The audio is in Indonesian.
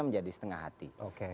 menjadi setengah hati